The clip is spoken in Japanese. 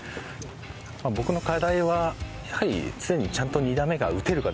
僕の課題はやはり常にちゃんと２打目が打てるか